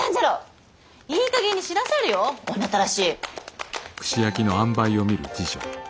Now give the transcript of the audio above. いいかげんにしなされよ女たらし。